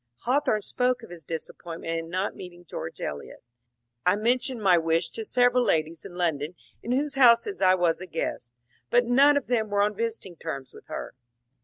Hawthorne spoke of his disappointment in not meeting George Eliot. " I mentioned my wish to several ladies in London in whose houses I was a guest, but none of them were on visiting terms with her."